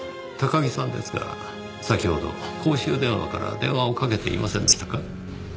高木さんですが先ほど公衆電話から電話をかけていませんでしたか？